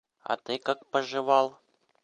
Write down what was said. А ты как поживал?